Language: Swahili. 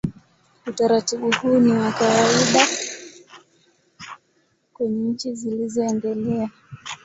Utaratibu huu ni wa kawaida kwenye nchi zilizoendelea.